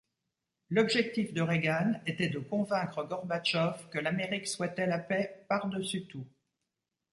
L'objectif de Reagan était de convaincre Gorbatchev que l'Amérique souhaitait la paix par-dessus tout.